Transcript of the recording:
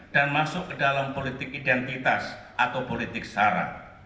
dan masuk ke dalam politik identitas atau politik syarat